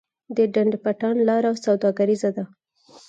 د ډنډ پټان لاره سوداګریزه ده